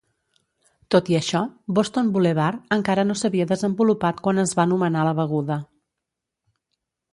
Tot i això, Boston Boulevard encara no s'havia desenvolupat quan es va nomenar la beguda.